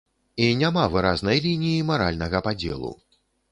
І няма выразнай лініі маральнага падзелу.